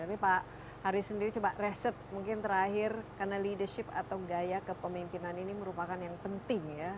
tapi pak haris sendiri coba resep mungkin terakhir karena leadership atau gaya kepemimpinan ini merupakan yang penting ya